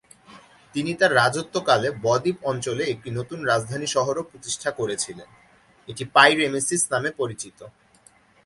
তিনি তাঁর রাজত্বকালে বদ্বীপ অঞ্চলে একটি নতুন রাজধানী শহরও প্রতিষ্ঠা করেছিলেন, এটি পাই-রেমেসিস নামে পরিচিত।